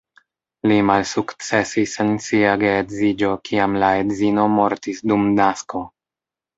Li malsukcesis en sia geedziĝo kiam la edzino mortis dum nasko.